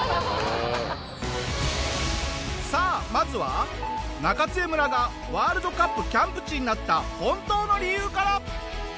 さあまずは中津江村がワールドカップキャンプ地になった本当の理由から！